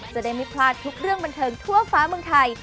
จะได้ไม่พลาดทุกเรื่องบันเทิงทั่วฟ้าเมืองไทย